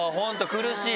苦しい？